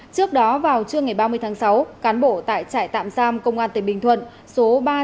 trước đó vào trưa ngày ba mươi tháng sáu cán bộ tại trại tạm giam công an tỉnh bình thuận